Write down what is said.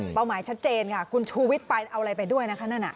หมายชัดเจนค่ะคุณชูวิทย์ไปเอาอะไรไปด้วยนะคะนั่นน่ะ